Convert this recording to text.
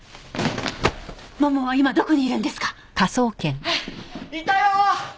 ももは今どこにいるんですか？